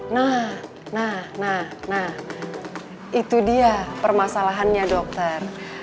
nah nah nah nah itu dia permasalahannya dokter